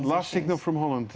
tanda terakhir dari holland